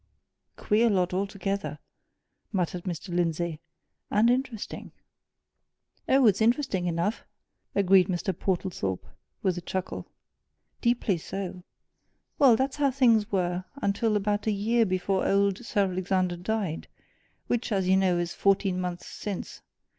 "Queer lot altogether!" muttered Mr. Lindsey. "And interesting!" "Oh, it's interesting enough!" agreed Mr. Portlethorpe, with a chuckle. "Deeply so. Well, that's how things were until about a year before old Sir Alexander died which, as you know, is fourteen months since.